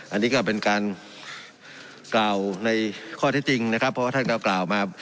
อันนี้ก็เป็นการกล่าวในข้อที่จริงนะครับเพราะว่าท่านก็กล่าวมา